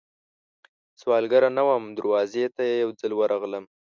سوالګره نه وم، دروازې ته یې یوځل ورغلم